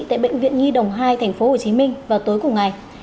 tại bệnh viện nhi đồng hai tp hcm vào tối cùng ngày